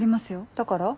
だから？